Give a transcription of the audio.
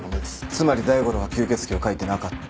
つまり大五郎は吸血鬼を描いてなかった。